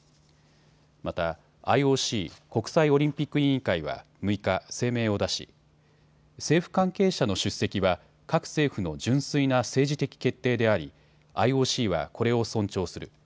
またＩＯＣ・国際オリンピック委員会は６日、声明を出し政府関係者の出席は各政府の純粋な政治的決定でありＩＯＣはこれを尊重する。